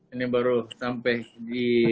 ini baru sampai di